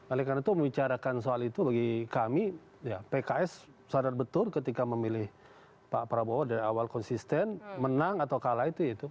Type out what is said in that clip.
oleh karena itu membicarakan soal itu bagi kami ya pks sadar betul ketika memilih pak prabowo dari awal konsisten menang atau kalah itu